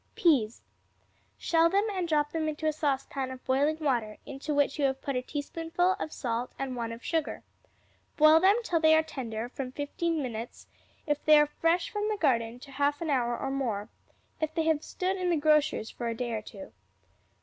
Peas Shell them and drop them into a saucepan of boiling water, into which you have put a teaspoonful of salt and one of sugar. Boil them till they are tender, from fifteen minutes, if they are fresh from the garden, to half an hour or more, if they have stood in the grocer's for a day or two.